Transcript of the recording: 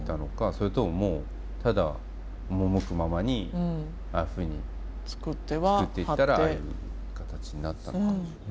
それとももうただ赴くままにああいうふうに作っていったらああいう形になったのか。